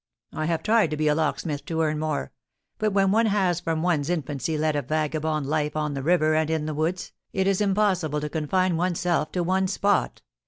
I have tried to be a locksmith to earn more; but when one has from one's infancy led a vagabond life on the river and in the woods, it is impossible to confine oneself to one spot.